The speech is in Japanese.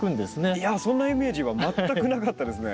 いやそんなイメージは全くなかったですね。